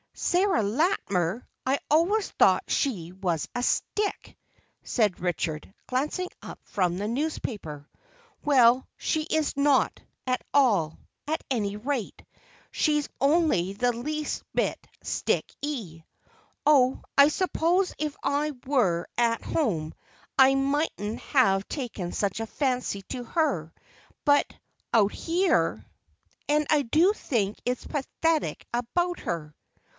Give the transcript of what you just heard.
"Sarah Latimer! I always thought she was a stick," said Richard, glancing up from the newspaper. "Well, she is not, at all; at any rate, she's only the least little bit stick y. Oh! I suppose if I were at home I mightn't have taken such a fancy to her, but out here—! and I do think it's pathetic about her."